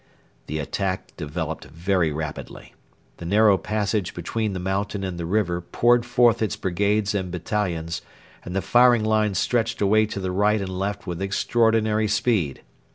The attack developed very rapidly. The narrow passage between the mountain and the river poured forth its brigades and battalions, and the firing line stretched away to the right and left with extraordinary speed.